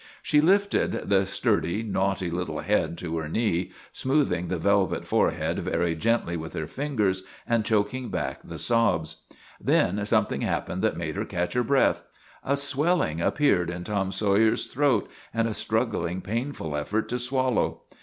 She lifted the sturdy, naughty little head to her knee, smoothing the velvet forehead very gently with her fingers and choking back the sobs. Then something happened that made her catch her breath. A swelling appeared in Tom Sawyer's throat, and a struggling, painful effort to swallow.